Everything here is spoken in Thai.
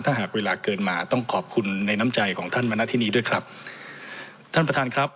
ถ้าหากเวลาเกินมาต้องขอบคุณในน้ำใจของท่านมณฑินีด้วยครับท่านประธานครับ